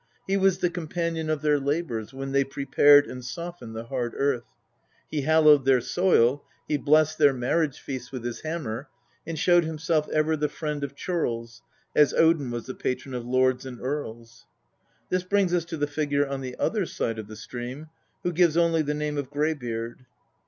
He was the companion of their labours when they prepared and softened the hard earth. He hallowed their soil, he blessed their marriage feasts with his hammer, and showed himself ever the friend of churls, as Odin was the patron of lords and earls. This brings us to the figure on the other side of the stream, who gives only the name of Greybeard.